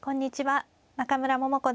中村桃子です。